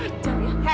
nggak ngajar ya